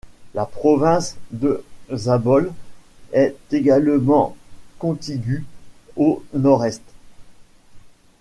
La province de Zabol est également contigüe au nord-est.